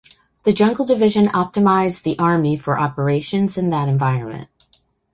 The jungle division optimised the Army for operations in that environment.